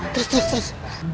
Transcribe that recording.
terus terus terus